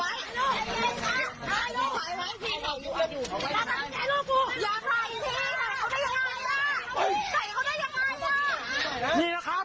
มันไม่ได้มีความผิดอะไรครับ